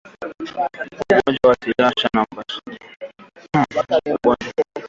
Ugonjwa unasababishwa na kuhamahama kwa mifugo